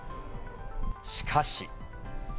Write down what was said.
しかし。